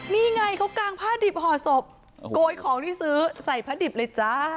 นี่ไงเขากางผ้าดิบห่อศพโกยของที่ซื้อใส่ผ้าดิบเลยจ้า